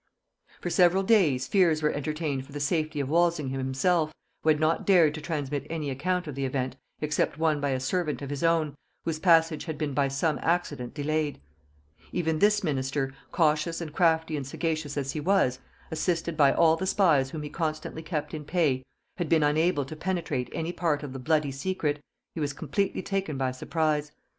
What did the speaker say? For several days fears were entertained for the safety of Walsingham himself, who had not dared to transmit any account of the event except one by a servant of his own, whose passage had been by some accident delayed. Even this minister, cautious and crafty and sagacious as he was, assisted by all the spies whom he constantly kept in pay, had been unable to penetrate any part of the bloody secret; he was completely taken by surprise.